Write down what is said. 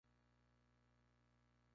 La escala puede depender del contexto.